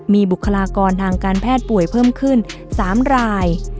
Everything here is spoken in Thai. มีบุคลากรทางการแพทย์ป่วยเพิ่มขึ้น๓ราย